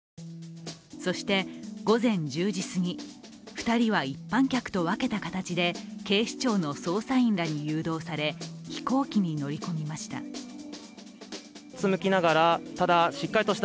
そして午前１０時すぎ、２人は一般客と分けた形で警視庁の捜査員らに誘導され、飛行機に乗り込みました。